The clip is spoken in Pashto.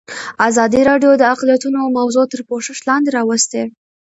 ازادي راډیو د اقلیتونه موضوع تر پوښښ لاندې راوستې.